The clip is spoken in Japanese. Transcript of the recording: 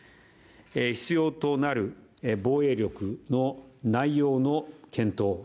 必要となる防衛力の内容の検討。